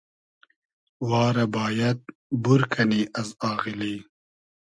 وا رۂ بایئد بور کئنی از آغیلی